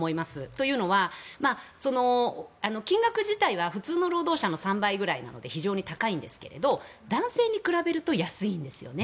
というのは、金額自体は普通の労働者の３倍くらいなので非常に高いんですが男性に比べると安いんですよね。